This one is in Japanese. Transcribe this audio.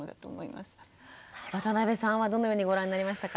渡部さんはどのようにご覧になりましたか？